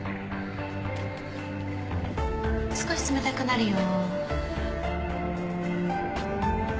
少し冷たくなるよ。